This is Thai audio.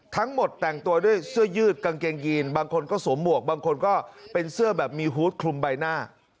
ทั้งหมดแต่งตัวด้วยเสื้อยืดกางเกงยีนบางคนก็สวมหมวกบางคนก็เป็นเสื้อแบบมีฮูตคลุมใบหน้า